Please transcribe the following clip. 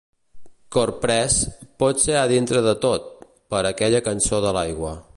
Corprès, pot-ser a dintre de tot, per aquella cançó de l'aigua.